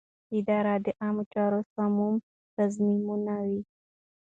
اداره د عامه چارو سمون تضمینوي.